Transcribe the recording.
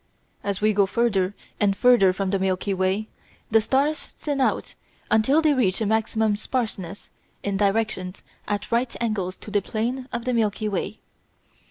As we go farther and farther from the Milky Way the stars thin out until they reach a maximum sparseness in directions at right angles to the plane of the Milky Way.